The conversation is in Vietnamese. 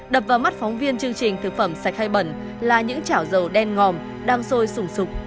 đập vào mắt phóng viên chương trình thực phẩm sạch hay bẩn là những chảo dầu đen ngòm đang sôi sùng sụp